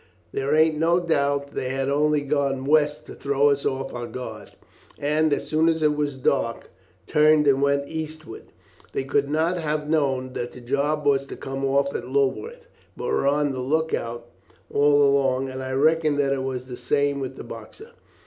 There ain't no doubt they had only gone west to throw us off our guard, and, as soon as it was dark, turned and went eastward. They could not have known that the job was to come off at Lulworth, but were on the look out all along, and I reckon that it was the same with the Boxer.